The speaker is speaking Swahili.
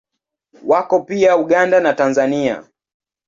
Wako pia Uganda na Tanzania.